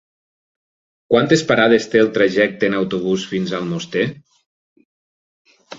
Quantes parades té el trajecte en autobús fins a Almoster?